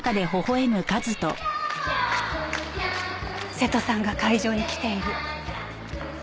瀬戸さんが会場に来ている。